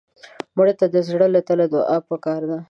مړه ته د زړه له تله دعا پکار ده